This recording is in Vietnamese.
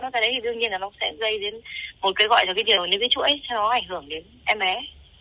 đấy thì đương nhiên là nó cũng sẽ gây đến một cái gọi cho cái điều những cái chuỗi cho nó ảnh hưởng đến em bé rất là nhiều